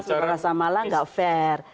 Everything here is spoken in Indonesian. tapi pak masa malang tidak fair